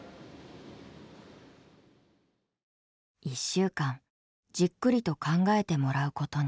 １週間じっくりと考えてもらうことに。